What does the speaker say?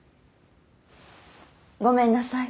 ごめんなさい。